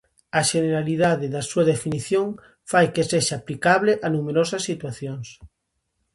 A xeneralidade da súa definición fai que sexa aplicable a numerosas situacións.